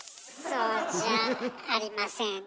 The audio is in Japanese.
そうじゃありません。